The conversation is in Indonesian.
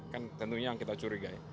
kan tentunya yang kita curigai